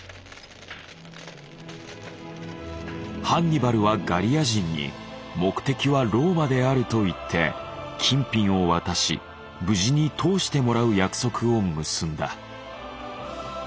ハンニバルはガリア人に目的はローマであると言って金品を渡し無事に通してもらう約束を結んだ。